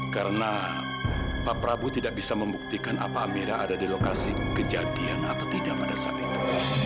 karena pak prabu tidak bisa membuktikan apa amira ada di lokasi kejadian atau tidak pada saat itu